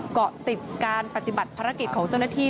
เกาะติดการปฏิบัติภารกิจของเจ้าหน้าที่